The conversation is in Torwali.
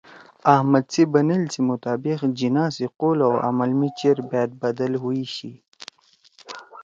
احمد سی بنیل سی مطابق جناح سی قول او عمل می چیر بأت بدَل ہُوئی شی